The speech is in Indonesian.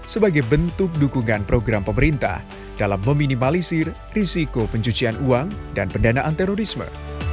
sebagai bentuk dukungan program pemerintah dalam meminimalisir risiko pencucian uang dan pendanaan terorisme